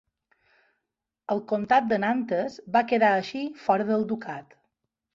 El comtat de Nantes va quedar així fora del ducat.